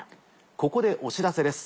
ここでお知らせです。